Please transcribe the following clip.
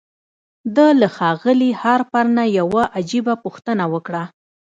ده له ښاغلي هارپر نه يوه عجيبه پوښتنه وکړه.